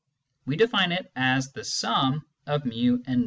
We define it as the sum of fi and v.